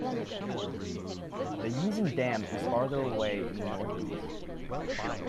The Yezin Dam is farther away in the north-east.